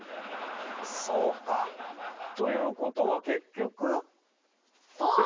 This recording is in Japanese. そうかということは結局？